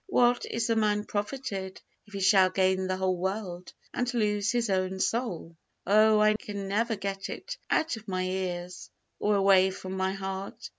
"What is a man profited, if he shall gain the whole world, and lose his own soul?" Oh, I can never get it out of my ears or away from my heart!